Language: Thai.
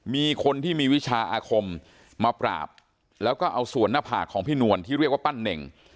มีคนที่มีวิชาอาคมมาปราบแล้วก็เอาส่วนหน้าผากของพี่นวลที่เรียกว่าปั้นเน่ง